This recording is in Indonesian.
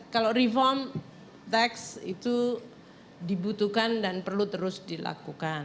kalau reform tax itu dibutuhkan dan perlu terus dilakukan